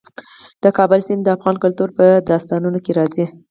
د کابل سیند د افغان کلتور په داستانونو کې راځي.